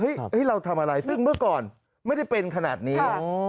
เราทำอะไรซึ่งเมื่อก่อนไม่ได้เป็นขนาดนี้